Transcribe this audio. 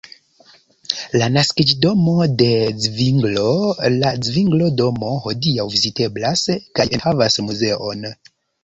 La naskiĝdomo de Zvinglo, la "Zvinglo-Domo" hodiaŭ viziteblas kaj enhavas muzeon.